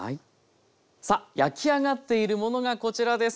さあ焼き上がっているものがこちらです。